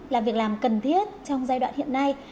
là việc làm cần thiết trong giai đoạn hiện nay